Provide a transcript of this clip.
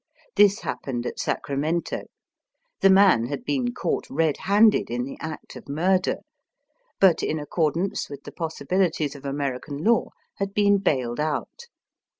This happened at Sacramento. The man had been caught red handed in the act of murder, but in accordance with the possibilities of American law had been bailed out.